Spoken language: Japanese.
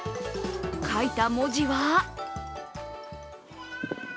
書いた文字は？